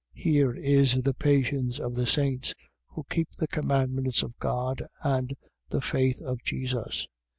14:12. Here is the patience of the saints, who keep the commandments of God and the faith of Jesus.